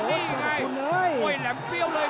ติดตามยังน้อยกว่า